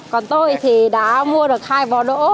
còn tôi thì đã mua được hai vỏ đỗ